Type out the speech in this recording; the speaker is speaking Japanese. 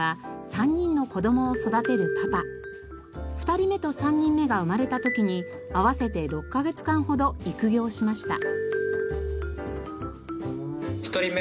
２人目と３人目が生まれた時に合わせて６カ月間ほど育業しました。